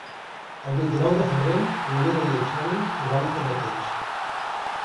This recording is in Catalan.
El vint-i-nou de febrer na Mira i en Xavi iran a Terrateig.